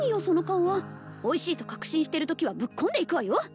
その顔はおいしいと確信してるときはぶっ込んでいくわよ